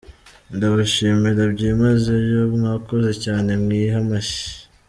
Ndabashimira byimazeyo, mwakoze cyane mwihe amashyi.